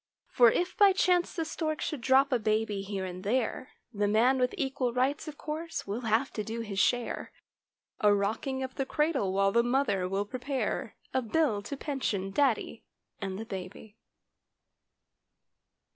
For if by chance the stork should drop a baby here and there; The "man with equal rights" of course, will have to do his share A rocking of the cradle while the mother will pre¬ pare A bill to pension daddy and the baby.